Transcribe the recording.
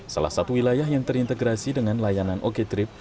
salah satu wilayah yang terintegrasi dengan layanan oko trip